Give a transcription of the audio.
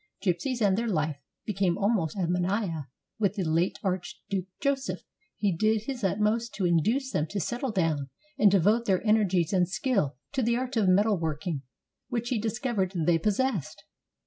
Gypsies and their life became almost a mania with the late Archduke Joseph. He did his utmost to induce them to settle down and devote their energies and skill to the art of metal working, which he discovered they possessed.